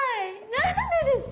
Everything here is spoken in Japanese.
何でですか？